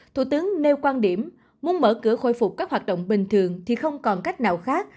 thủ tướng nêu quan điểm muốn mở cửa khôi phục các hoạt động bình thường thì không còn cách nào khác